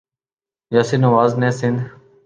یاسر نواز نے سند